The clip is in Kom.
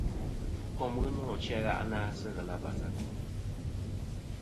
Ɨtu'kom ghɨ nô achi a gha'nɨ-a sɨ ghelɨ abas a kom.